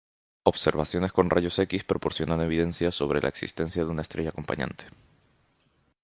Observaciones con rayos X proporcionan evidencia sobre la existencia de una estrella acompañante.